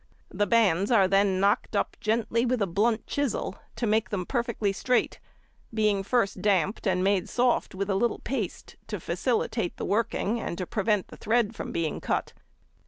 The bands are then knocked up gently with a blunt chisel to make them perfectly straight, being first damped and made soft with a little paste to facilitate the working and to prevent the thread from being cut.